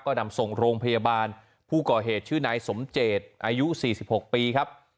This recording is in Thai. ก็นำส่งโรงพยาบาลผู้ก่อเหตุชื่อนายสมเจตอายุ๔๖ปีครับ